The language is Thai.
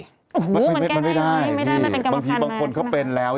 โอ้โฮมันแก้ไม่ได้มันเป็นกรรมคันไหม